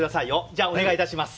じゃあお願いいたします。